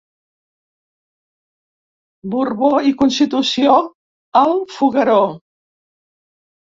Borbo i constitució, al fogueró.